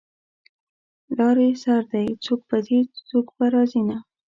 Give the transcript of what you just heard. د لارې سر دی څوک به ځي څوک به راځینه